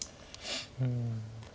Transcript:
うん。